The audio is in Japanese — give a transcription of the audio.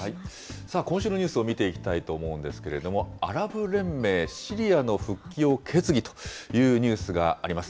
さあ、今週のニュースを見ていきたいと思うんですけれども、アラブ連盟、シリアの復帰を決議というニュースがあります。